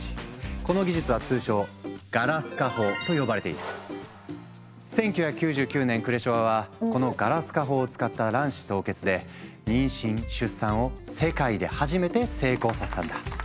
この技術は通称１９９９年クレショワはこのガラス化法を使った卵子凍結で妊娠出産を世界で初めて成功させたんだ。